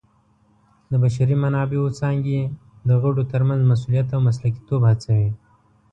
د بشري منابعو څانګې د غړو ترمنځ مسؤلیت او مسلکیتوب هڅوي.